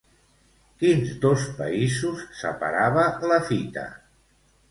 Quins dos països separava, la fita?